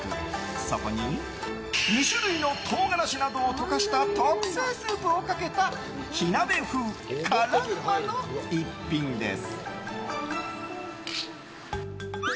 そこに２種類のトウガラシなどを溶かした特製スープをかけた火鍋風、辛うまの逸品です。